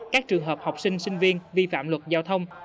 các trường hợp học sinh sinh viên vi phạm luật giao thông